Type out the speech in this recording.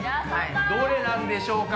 どれなんでしょうか？